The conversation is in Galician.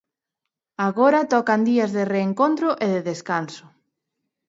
Agora tocan días de reencontro e de descanso.